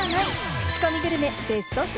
口コミグルメベスト３！